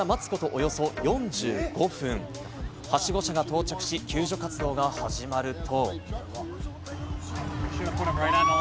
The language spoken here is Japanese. およそ４５分、はしご車が到着し、救助活動が始まると。